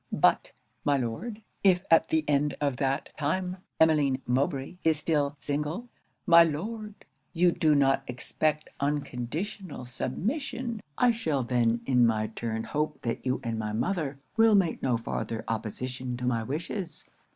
But, my Lord, if at the end of that time Emmeline Mowbray is still single my Lord, you do not expect unconditional submission I shall then in my turn hope that you and my mother will make no farther opposition to my wishes."